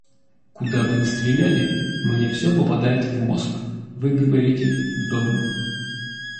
Куда бы ни стреляли, мне все попадает в мозг, — вы говорите — дом.